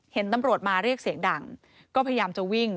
เห็นตำรวจมาเรียกเสียงดังก็พยายามจะวิ่ง